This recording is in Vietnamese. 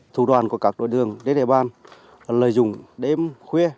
thủ đoàn của các đối tượng đế đề ban lợi dụng đêm khuya